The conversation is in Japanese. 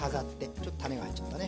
ちょっと種が入っちゃったね。